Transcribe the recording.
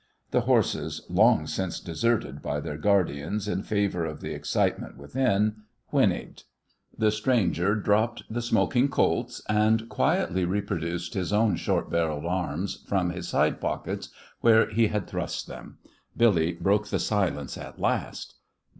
The horses, long since deserted by their guardians in favour of the excitement within, whinnied. The stranger dropped the smoking Colts, and quietly reproduced his own short barrelled arms from his side pockets, where he had thrust them. Billy broke the silence at last.